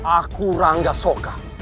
aku rangga sokak